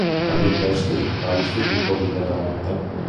La Villa è iscritta all'Istituto Ville Venete.